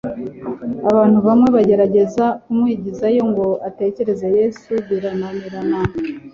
Abantu bamwe bagerageza kumwigizayo ngo ategera Yesu, birananirana.